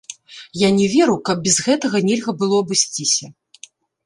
Я не веру, каб без гэтага нельга было абысціся.